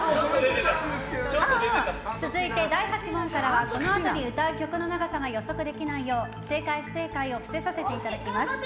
続いて第８問からはこのあとに歌う曲の長さが予測できないよう正解・不正解を伏せさせていただきます。